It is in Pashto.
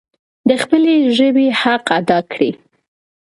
د خپلې ژبي حق ادا کړئ.